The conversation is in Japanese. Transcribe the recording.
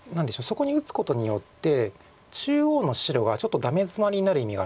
そこに打つことによって中央の白がちょっとダメヅマリになる意味があるんですよね。